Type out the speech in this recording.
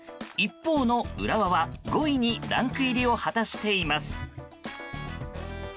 一方の浦和は５位にランク入りを果たしています。